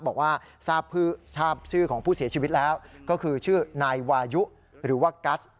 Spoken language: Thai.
บอกว่าทราบชื่อของผู้เสียชีวิตแล้วก็คือชื่อนายวายุหรือว่ากัส